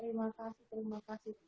terima kasih terima kasih